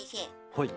はい。